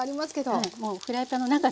はいもうフライパンの中で。